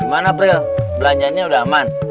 bulan april belanjanya udah aman